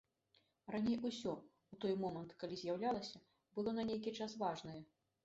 Раней усё, у той момант, калі з'яўлялася, было на нейкі час важнае.